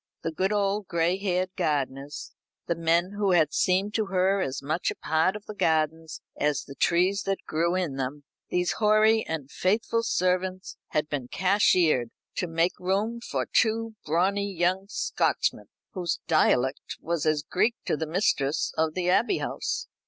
The good old gray haired gardeners the men who had seemed to her as much a part of the gardens as the trees that grew in them these hoary and faithful servants had been cashiered, to make room for two brawny young Scotchmen, whose dialect was as Greek to the mistress of the Abbey House.